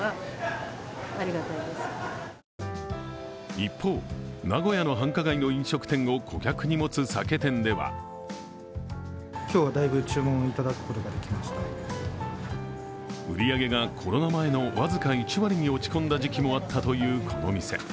一方、名古屋の繁華街の飲食店を顧客に持つ酒店では売り上げがコロナ前のわずか１割に落ち込んだ時期もあったというこの店。